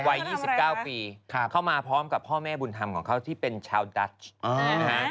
วัย๒๙ปีเข้ามาพร้อมกับพ่อแม่บุญธรรมของเขาที่เป็นชาวดัชนะฮะ